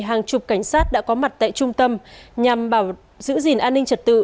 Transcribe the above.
hàng chục cảnh sát đã có mặt tại trung tâm nhằm giữ gìn an ninh trật tự